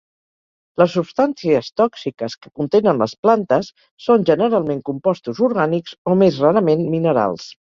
Les substàncies tòxiques que contenen les plantes són generalment compostos orgànics o més rarament minerals.